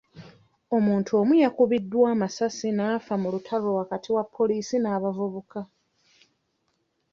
Omuntu omu yakubiddwa amasasi n'afa mu lutalo wakati wa poliisi n'abavubuka.